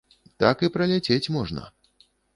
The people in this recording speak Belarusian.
Так і праляцець можна.